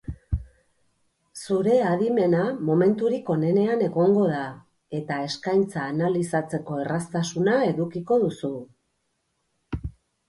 Zure adimena momenturik onenean egongo da, eta eskaintza analizatzeko erraztasuna edukiko duzu.